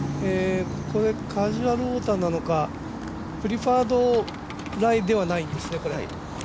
カジュアルウォーターなのかプリファードライではないんですね。